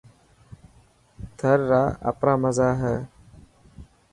ٿر را آپرا مزا هي.